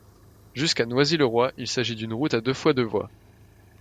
Jusqu'à Noisy-le-Roi, il s'agit d'une route à deux fois deux voies.